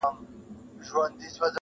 راست اوسه په لویه لار کي ناست اوسه -